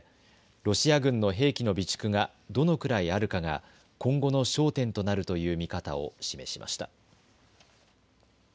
ロシア軍の兵器の備蓄がどのくらいあるかが今後の焦点となるという見方を示しました。